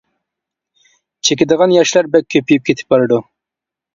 چېكىدىغان ياشلار بەك كۆپىيىپ كېتىپ بارىدۇ.